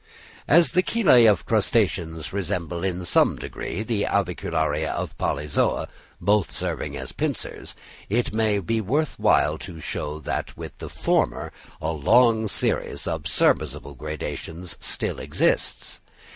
As the chelæ of Crustaceans resemble in some degree the avicularia of Polyzoa, both serving as pincers, it may be worth while to show that with the former a long series of serviceable gradations still exists.